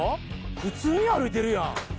普通に歩いてるやん。